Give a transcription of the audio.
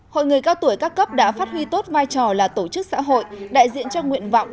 hội người cao tuổi các cấp đã phát huy tốt vai trò là tổ chức xã hội đại diện cho nguyện vọng